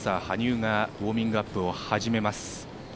羽生がウオーミングアップを始めます。